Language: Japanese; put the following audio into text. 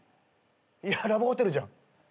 いやラブホテルじゃん。